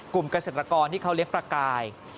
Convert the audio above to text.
เกษตรกรที่เขาเลี้ยงปลากาย